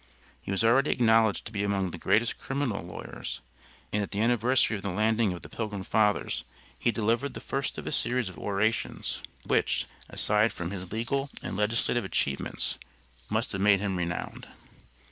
He was already acknowledged to be among the greatest criminal lawyers, and at the anniversary of the landing of the pilgrim fathers he delivered the first of a series of orations which, aside from his legal and legislative achievements must have made him renowned.